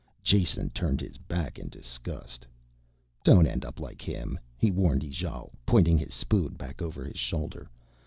Jason turned his back in disgust. "Don't end up like him," he warned Ijale, pointing his spoon back over his shoulder.